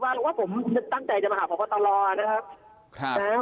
ว่าผมตั้งใจจะมาหาพตลนะครับ